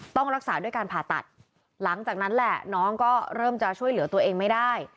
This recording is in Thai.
ต้องรักษาด้วยการผ่าตัดหลังจากนั้นแหละน้องก็เริ่มจะช่วยเหลือตัวเองไม่ได้